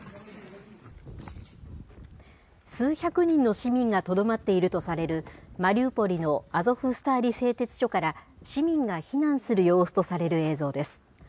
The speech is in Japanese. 数百人の市民がとどまっているとされる、マリウポリのアゾフスターリ製鉄所から市民が避難する様子とされる映像です。